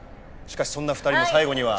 しかしそんな２人も最後には。